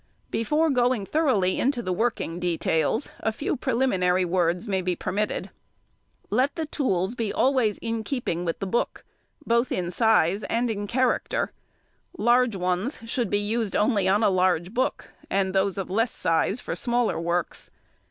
Before going thoroughly into the working details a few preliminary words may be permitted. Let the tools be always in keeping with the book, both in size and character. Large ones should be used only on a large book, and those of less size for smaller works.